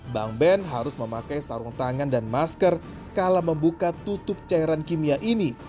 bang ben harus memakai sarung tangan dan masker kala membuka tutup cairan kimia ini